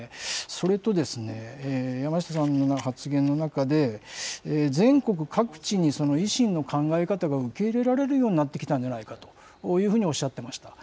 それとですね、山下さんの発言の中で、全国各地に維新の考え方が受け入れられるようになってきたんじゃないかというふうにおっしゃってました。